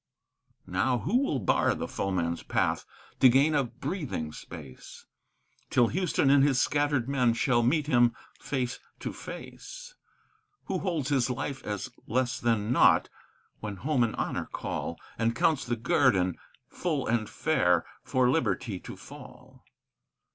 Now who will bar the foeman's path, to gain a breathing space, Till Houston and his scattered men shall meet him face to face? Who holds his life as less than naught when home and honor call, And counts the guerdon full and fair for liberty to fall?